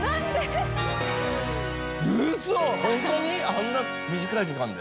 あんな短い時間で？